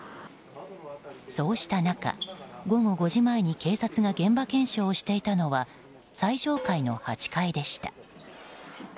そうした中、午後５時前に警察が現場検証していたのは最上階の８階でした。